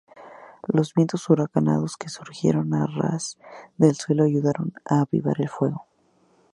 Los vientos huracanados que surgieron a ras de suelo ayudaron a avivar el fuego.